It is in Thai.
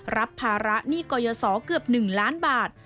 รับภาระหนี้กรยศเกือบ๑ล้านบาท